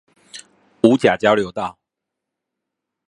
五甲交流道